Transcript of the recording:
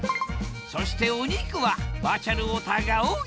そしてお肉はバーチャルウォーターが多い！